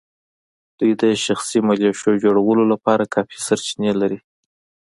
دوی د شخصي ملېشو جوړولو لپاره کافي سرچینې لري.